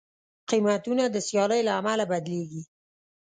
قیمتونه د سیالۍ له امله بدلېږي.